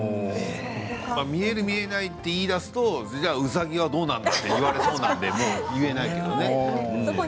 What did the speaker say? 見える見えないと言いだすと、じゃあうさぎはどうなんだと言われそうなので言えないけどね。